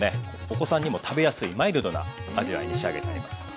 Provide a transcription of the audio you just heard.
お子さんにも食べやすいマイルドな味わいに仕上げてあります。